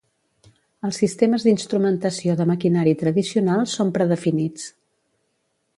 Els sistemes d'instrumentació de maquinari tradicionals són predefinits.